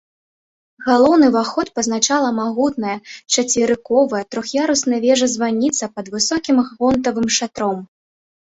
Галоўны ўваход пазначала магутная чацверыковая трох'ярусная вежа-званіца пад высокім гонтавым шатром.